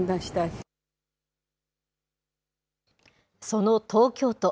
その東京都。